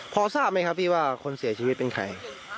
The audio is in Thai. พอทราบไหมครับพี่ว่าคนเสียชีวิตเป็นใคร